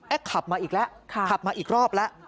ขับมาอีกแล้วขับมาอีกรอบแล้ว